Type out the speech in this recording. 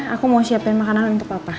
aku mau siapin makanan untuk apa